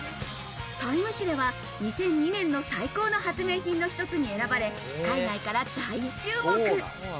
誌では２００２年の最高の発明品の一つに選ばれ、海外から大注目。